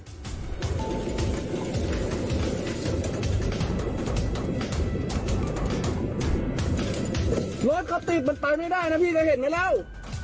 รถเขาติดมันไปไม่ได้นะพี่จะเห็นไหมแล้ว